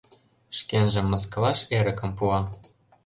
Шкенжым мыскылаш эрыкым пуа.